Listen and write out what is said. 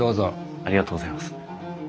ありがとうございます。